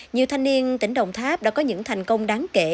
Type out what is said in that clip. nhiều thanh niên tỉnh đồng tháp đã có những thành công đáng kể